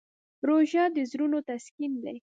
روژه د زړونو تسکین دی.